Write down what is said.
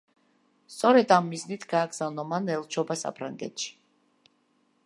სწორედ ამ მიზნით გააგზავნა მან ელჩობა საფრანგეთში.